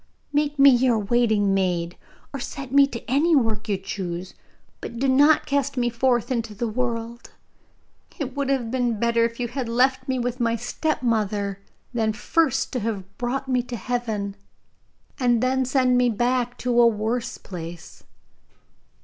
Make me your waiting maid, or set me to any work you choose, but do not cast me forth into the world. It would have been better if you had left me with my stepmother, than first to have brought me to heaven and then send me back to a worse place.